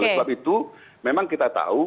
oleh sebab itu memang kita tahu